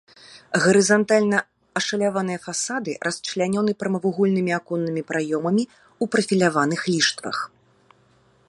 Гарызантальна ашаляваныя фасады расчлянёны прамавугольнымі аконнымі праёмамі ў прафіляваных ліштвах.